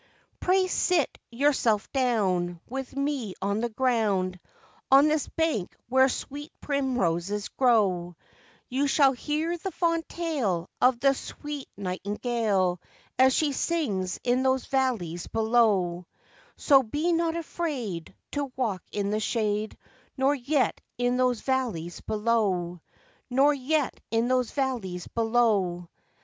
'Pray sit yourself down With me on the ground, On this bank where sweet primroses grow; You shall hear the fond tale Of the sweet nightingale, As she sings in those valleys below; So be not afraid To walk in the shade, Nor yet in those valleys below, Nor yet in those valleys below.